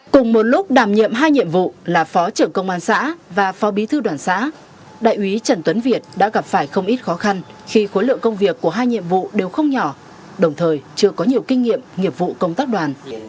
cùng một lúc đảm nhiệm hai nhiệm vụ là phó trưởng công an xã và phó bí thư đoàn xã đại úy trần tuấn việt đã gặp phải không ít khó khăn khi khối lượng công việc của hai nhiệm vụ đều không nhỏ đồng thời chưa có nhiều kinh nghiệm nghiệp vụ công tác đoàn